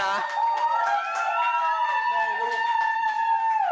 แม่ให้ลูก